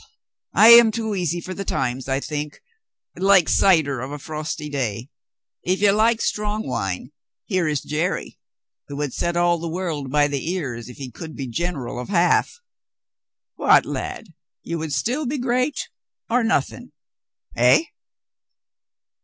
I am too easy for the times, I think — like cider of a frosty day. If you like strong wine, here is Jerry, who would set all the world by the ears if he could be general of half. What, lad, you would still be great or nothing, eh?"